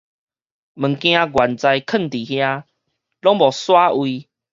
物件原在囥佇遐，攏無徙位